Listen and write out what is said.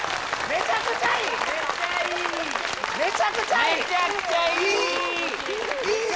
めちゃくちゃいい！